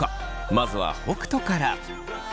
まずは北斗から。